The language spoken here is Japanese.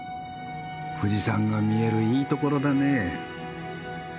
富士山が見えるいいところだね。